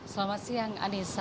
selamat siang anissa